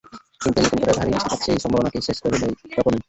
কিন্তু নতুন করে ভারী বৃষ্টিপাত সেই সম্ভাবনাকে শেষ করে দেয় তখনই।